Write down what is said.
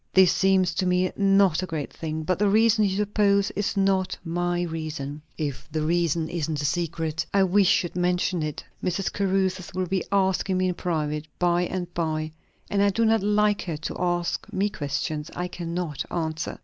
"This seems to me not a great thing. But the reason you suppose is not my reason." "If the reason isn't a secret, I wish you'd mention it; Mrs. Caruthers will be asking me in private, by and by; and I do not like her to ask me questions I cannot answer."